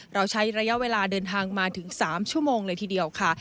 เราใช้ระยะเวลาเดินทางมาถึง๓ชั่วโมงเลยทีเดียวค่ะ